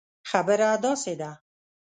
خبره داسي ده